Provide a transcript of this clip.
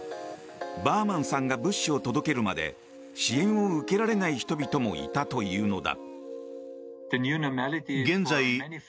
バーマンさんが物資を届けるまで支援を受けられない人々もいたというのだ。